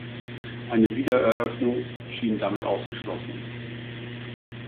Eine Wiedereröffnung schien damit ausgeschlossen.